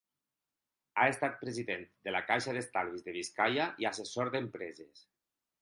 Ha estat president de la Caixa d'Estalvis de Biscaia i assessor d'empreses.